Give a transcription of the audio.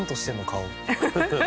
顔。